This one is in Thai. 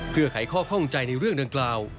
เพื่อไขข้อข้องใจในเรื่องดังกล่าว